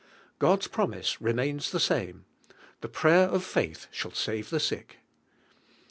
God's promise re Chapter XXV. mains the same: "Tim prayer of faith shall save the sick."